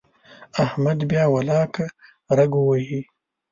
احمد بیا ولاکه رګ ووهي.